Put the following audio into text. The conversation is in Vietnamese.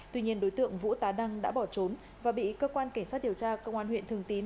tuy nhiên đối tượng vũ tá đăng đã bỏ trốn và bị cơ quan cảnh sát điều tra công an huyện thường tín